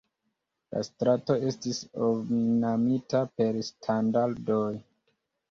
La strato estis ornamita per standardoj.